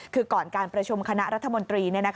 คือก่อนการประชุมคณะรัฐมนตรี